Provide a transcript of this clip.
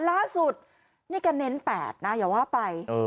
ล่าสุดนี่แกเน้น๘นะอย่าว่าไป